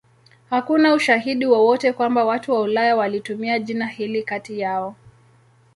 Hakuna ushahidi wowote kwamba watu wa Ulaya walitumia jina hili kati yao.